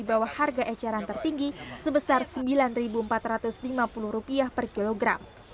pertama rupiah harga ecaran tertinggi sebesar rp sembilan empat ratus lima puluh per kilogram